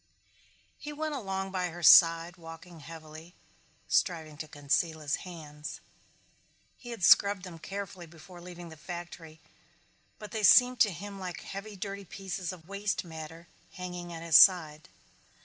He went along by her side walking heavily, striving to conceal his hands. He had scrubbed them carefully before leaving the factory but they seemed to him like heavy dirty pieces of waste matter hanging at his side.